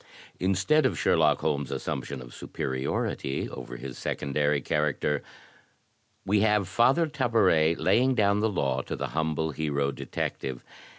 Instead of Sherlock Holmes' assumption of superiority over his secondary character, we have Father Tabaret lay ing down the law to the humble hero detective.